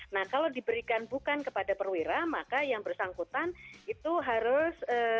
nah kalau diberikan bukan kepada perwira maka yang bersangkutan itu harus